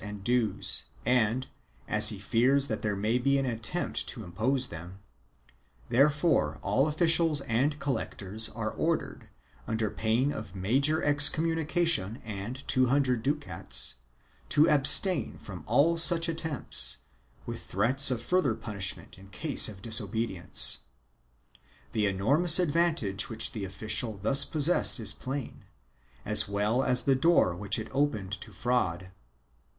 Ill] TAXATION 381 dues and, as he fears that there may be an attempt to impose them, therefore all officials and collectors are ordered, under pain of major excommunication and two hundred ducats, to abstain from all such attempts, with threats of further punish ment in case of disobedience.1 The enormous advantage which the official thus possessed is plain, as well as the door which it opened to fraud.